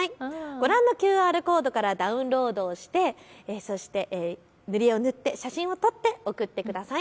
ご覧のＱＲコードからダウンロードして塗り絵を塗って写真を撮って送ってください。